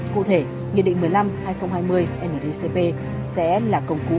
cụ thể nghị định một mươi năm hai nghìn hai mươi ndcp sẽ là công cụ